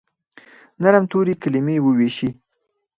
نرم توري، کلیمې وویشي